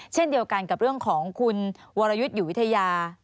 เช่นเดียวกันกับเรื่องของคุณวรยุทธ์อยู่วิทยา